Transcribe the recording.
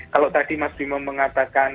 kalau tadi mas bimo mengatakan